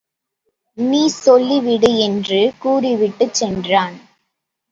நீ சொல்லிவிடு என்று கூறிவிட்டுச் சென்றான்.